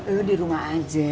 lo di rumah aja